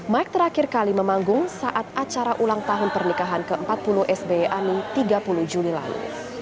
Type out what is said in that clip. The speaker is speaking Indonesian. mike terakhir kali memanggung saat acara ulang tahun pernikahan ke empat puluh sby ani tiga puluh juli lalu